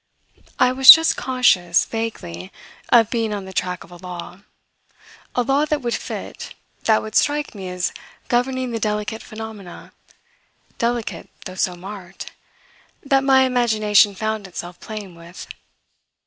I was just conscious, vaguely, of being on the track of a law, a law that would fit, that would strike me as governing the delicate phenomena delicate though so marked that my imagination found itself playing with.